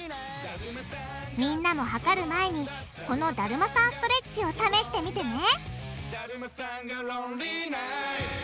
みんなも測る前にこのだるまさんストレッチを試してみてね